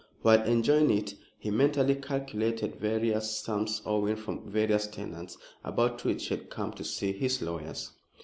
While enjoying it, he mentally calculated various sums owing from various tenants about which he had come to see his lawyers.